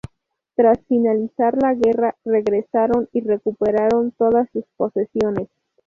Tras finalizar la guerra, regresaron y recuperaron todas sus posesiones.